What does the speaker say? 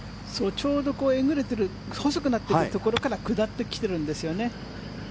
ちょうどえぐれている細くなっているところから下ってきてるんですよね。